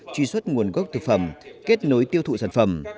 truy xuất nguồn gốc thực phẩm kết nối tiêu thụ sản phẩm